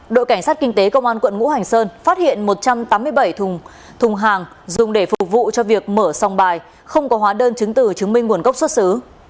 đội cảnh sát kinh tế công an quận ngũ hành sơn phát hiện một trăm tám mươi bảy thùng hàng dùng để phục vụ cho việc mở song bài không có hóa đơn chứng từ chứng minh nguồn gốc xuất xứ